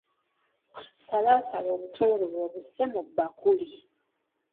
Salaasala obutungulu obusse mu bbakuli.